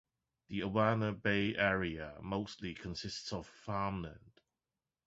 The Awana Bay area mostly consists of farmland.